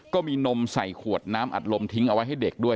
ก็มีนมใส่ขวดน้ำอัดลมทิ้งเอาไว้ให้เด็กด้วย